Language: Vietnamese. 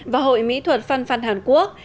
và hội mỹ thuật phan phan hàn quốc